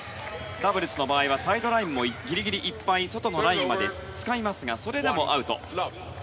ダブルスの場合はサイドラインもギリギリいっぱい外のラインまで使いますがそれらもアウト。